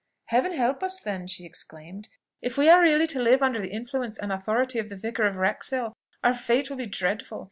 "Heaven help us, then!" she exclaimed. "If we are really to live under the influence and authority of the Vicar of Wrexhill, our fate will be dreadful.